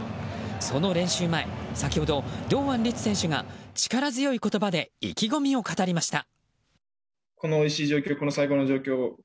その練習前、先ほど堂安律選手が力強い言葉で意気込みを語りました。